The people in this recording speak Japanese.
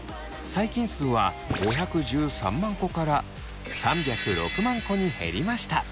細菌数は５１３万個から３０６万個に減りました。